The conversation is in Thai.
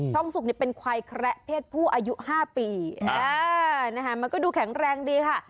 องสุกเป็นควายแคระเพศผู้อายุ๕ปีมันก็ดูแข็งแรงดีค่ะ